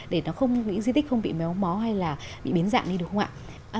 để nó di tích không bị méo mó hay là bị biến dạng đi được không ạ